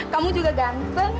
kamu juga ganteng